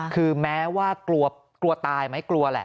คือแม้ว่ากลัวตายไหมกลัวแหละ